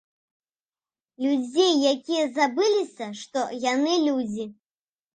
Людзей, якія забыліся, што яны людзі.